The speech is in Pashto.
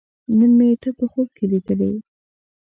نن مې ته په خوب کې لیدلې